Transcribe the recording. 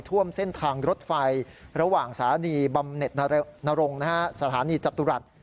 ท่วมเส้นทางรถไฟระหว่างสถานีบำเน็ตนรงสถานีจตุรัส